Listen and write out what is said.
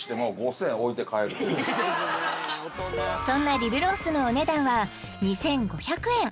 そんなリブロースのお値段は２５００円